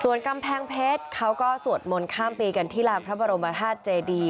ส่วนกำแพงเพชรเขาก็สวดมนต์ข้ามปีกันที่ลานพระบรมธาตุเจดี